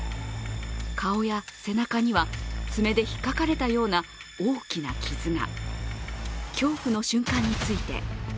顔や背中には爪でひっかかれたような大きな傷が。